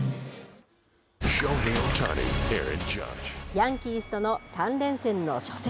ヤンキースとの３連戦の初戦。